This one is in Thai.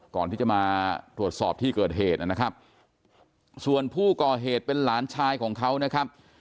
ก่อนที่จะมาตรวจสอบที่เกิดเหตุนะครับส่วนผู้ก่อเหตุเป็นหลานชายของเขานะครับ